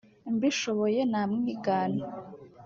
mbishoboye namwigana